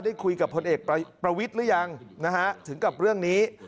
ได้คุยกับพลเอกประวิทย์หรือยังนะฮะถึงกับเรื่องนี้